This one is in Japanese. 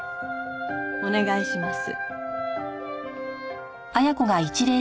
お願いします。